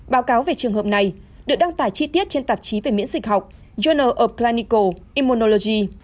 báo cáo về trường hợp này được đăng tải chi tiết trên tạp chí về miễn dịch học journal of clinical immunology